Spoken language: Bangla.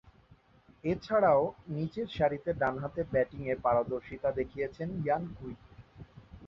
এছাড়াও, নিচেরসারিতে ডানহাতে ব্যাটিংয়ে পারদর্শীতা দেখিয়েছেন ইয়ান কুইক।